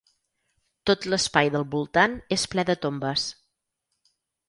Tot l'espai del voltant és ple de tombes.